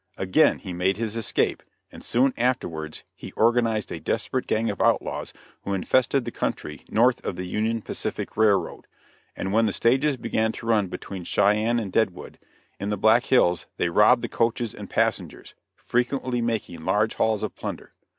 Again he made his escape, and soon afterwards he organized a desperate gang of outlaws who infested the country north of the Union Pacific railroad, and when the stages began to run between Cheyenne and Deadwood, in the Black Hills, they robbed the coaches and passengers, frequently making large hauls of plunder.